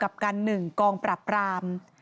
ปี๖๕วันเช่นเดียวกัน